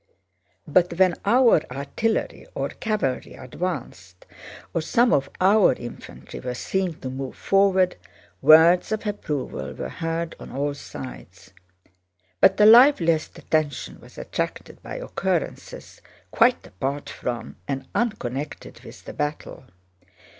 But when our artillery or cavalry advanced or some of our infantry were seen to move forward, words of approval were heard on all sides. But the liveliest attention was attracted by occurrences quite apart from, and unconnected with, the battle.